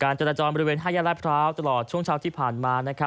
การจรตรอนบริเวณข้างแย่ละพร้าวตลอดช่วงเช้าที่ผ่านมานะคะ